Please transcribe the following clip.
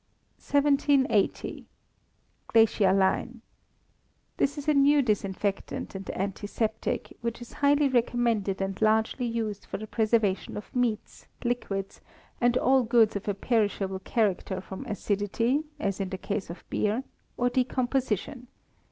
1780. Glacialine. This is a new disinfectant and antiseptic, which is highly recommended and largely used for the preservation of meats, liquids, and all goods of a perishable character from acidity, as in the case of beer, or decomposition.